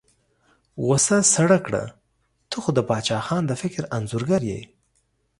غوسه سړه کړه، ته خو د باچا خان د فکر انځورګر یې.